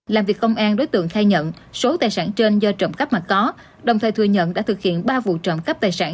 làm việc công an đối tượng khai nhận số tài sản trên do trộm cắp mà có đồng thời thừa nhận đã thực hiện ba vụ trộm cắp tài sản